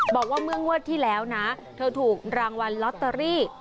บอกว่าเมื่องวดที่แล้วนะเธอถูกรางวัลลอตเตอรี่